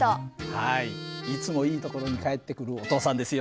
はいいつもいいところに帰ってくるお父さんですよ。